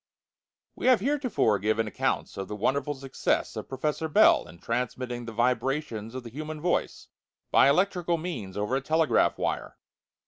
We have heretofore given accounts of the wonderful success of Professor Bell in transmitting the vibrations of the human voice by electrical means over a telegraph wire.